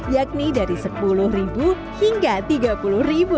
yakni dari sepuluh ribu hingga tiga ribu